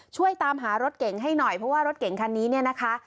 ช่วยตามหารถเก่งให้หน่อยเพราะว่ารถเก่งคันนี้เนี่ยนะคะ